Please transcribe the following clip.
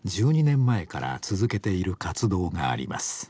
１２年前から続けている活動があります。